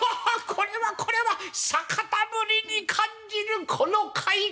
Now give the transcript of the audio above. これはこれは久方ぶりに感じるこの快感」。